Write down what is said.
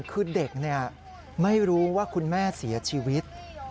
คือเด็กไม่รู้ว่าคุณแม่เสียชีวิต